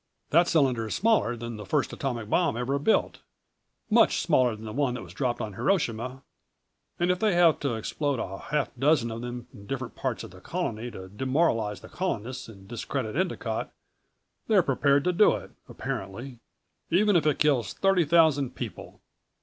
That cylinder is smaller than the first atomic bomb ever built much smaller than the one that was dropped on Hiroshima and if they have to explode a half dozen of them in different parts of the Colony to demoralize the Colonists and discredit Endicott they're prepared to do it, apparently. Even if it kills thirty thousand people.